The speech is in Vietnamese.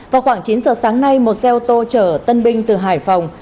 vào khoảng chín giờ sáng nay một xe ô tô chở tân binh từ hải phòng